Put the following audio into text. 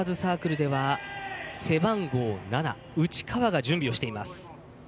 このあと背番号７内川が準備をしています。